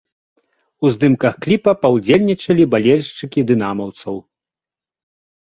У здымках кліпа паўдзельнічалі балельшчыкі дынамаўцаў.